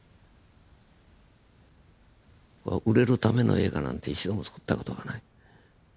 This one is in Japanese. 売れるための映画なんて一度もつくった事がない。